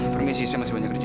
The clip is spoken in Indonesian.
permisi saya masih banyak kerja